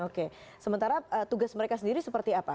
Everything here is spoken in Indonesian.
oke sementara tugas mereka sendiri seperti apa